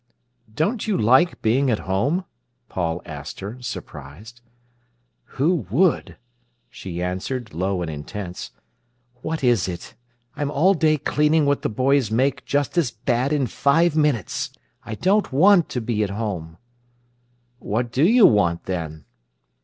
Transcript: "Don't you like being at home?" Paul asked her, surprised. "Who would?" she answered, low and intense. "What is it? I'm all day cleaning what the boys make just as bad in five minutes. I don't want to be at home." "What do you want, then?"